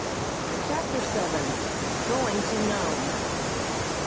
] CHAPTER VII. GOING TO NOME.